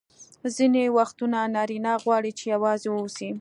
ځیني وختونه نارینه غواړي چي یوازي واوسي.